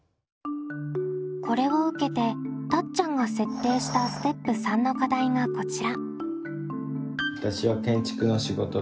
これを受けてたっちゃんが設定したステップ③の課題がこちら。